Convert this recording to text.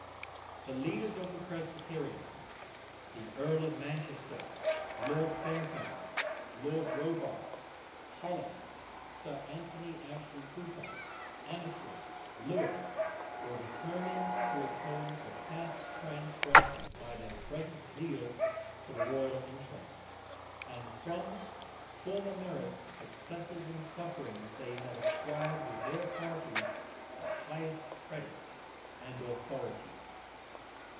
The leaders of the Presbyterians, the earl of Manchester, Lord Fairfax, Lord Robarts, Hollis, Sir Anthony Ashley Cooper, Annesley, Lewis, were determined to atone for past transgressions by their present zeal for the royal interests; and from former merits, successes, and sufferings, they had acquired with their party the highest credit and authority.